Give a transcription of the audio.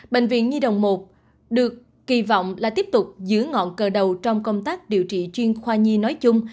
bệnh viện nhi đồng một được kỳ vọng là tiếp tục giữ ngọn cờ đầu trong công tác điều trị chuyên khoa nhi nói chung